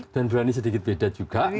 dan berani sedikit beda juga